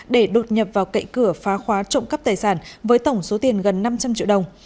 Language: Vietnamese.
để đột nhập vào cậy cửa phá khóa trộm cắp tài sản với tổng số tiền gần năm trăm linh triệu đồng